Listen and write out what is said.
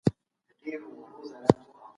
میلیونونه انسانان یې بېوزله سوي دي، پراخ